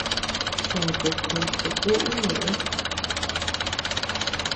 Cheatu géche tuʼu ñeʼe.